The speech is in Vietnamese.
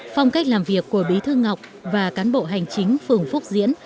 phong cách làm việc của bí thư ngọc và cán bộ hành chính phường phúc diễn